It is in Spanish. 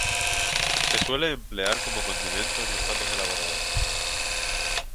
Se suele emplear como condimentos en los platos elaborados.